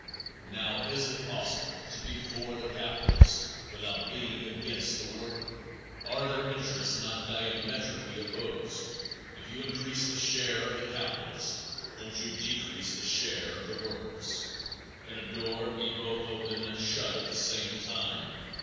Now, is it possible to be for the capitalist without being against the worker? Are their interest not diametrically opposite? If you increase the share of the capitalist don't you decrease the share of the workers? Can a door be both open and shut at the same time?